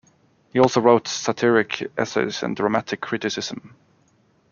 He also wrote satiric essays and dramatic criticism.